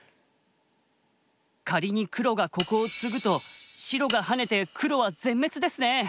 仮に黒がここをツグと白がハネて黒は全滅ですね。